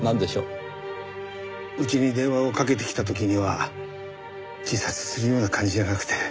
うちに電話をかけてきた時には自殺するような感じじゃなくて。